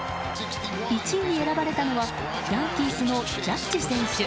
１位に選ばれたのはヤンキースのジャッジ選手。